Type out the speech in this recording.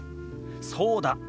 そうだ。